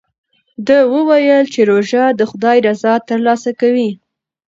ده وویل چې روژه د خدای رضا ترلاسه کوي.